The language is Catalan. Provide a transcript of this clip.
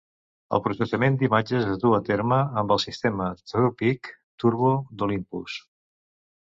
El processament d'imatges es duu a terme amb el sistema TruePic Turbo d'Olympus.